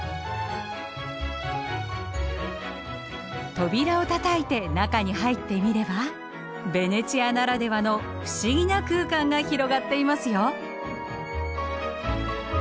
扉をたたいて中に入ってみればベネチアならではの不思議な空間が広がっていますよ。